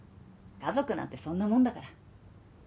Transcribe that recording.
家族なんてそんなもんだから。